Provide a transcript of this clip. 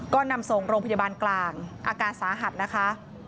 ก็นำส่งโรงพยาบาลกลางอาการสาหัสนะคะ